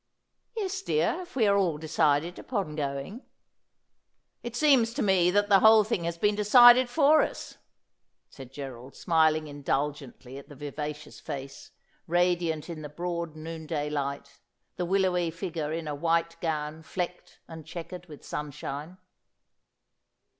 ' Yes, dear, if we are all decided upon going.' ' It seems to me that the whole thing has been decided for us,' said Gerald, smiling indulgently at the vivacious face, ra diant in the broad noonday light, the willowy figure in a white gown flecked and chequered with sunshine.